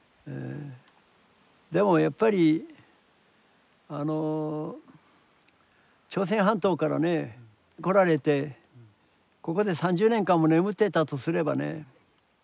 でもやっぱり朝鮮半島からね来られてここで３０年間も眠ってたとすればね